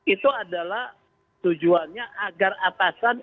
itu adalah tujuannya agar atasan